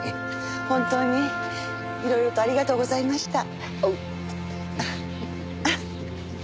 本当にいろいろとありがとうございました。